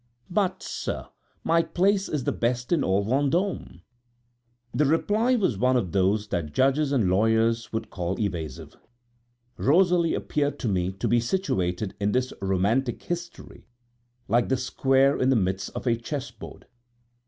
But, sir, my place is the best in all Vendôme." The reply was one of those that judges and lawyers would call evasive. Rosalie appeared to me to be situated in this romantic history like the square in the midst of a chessboard.